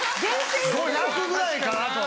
５００ぐらいかなと。